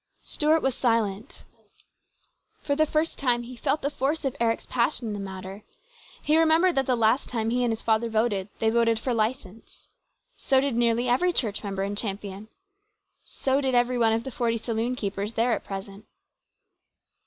Stuart was silent. For the first time he felt the force of Eric's passion in the matter. He remembered that the last time he and his father voted they voted for license. So did nearly every church member in Champion. So did every one of the forty saloon keepers there at present.